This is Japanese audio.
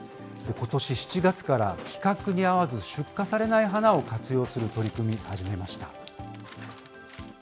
ことし７月から規格に合わず出荷されない花を活用する取り組み、始めました。